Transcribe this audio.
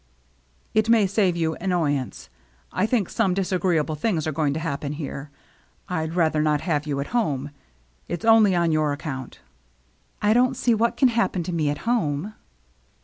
" It may save you annoyance. I think some disagreeable things are going to happen here — I'd rather not have you at home. It's only on your own account." "I don't see what can happen to me at home."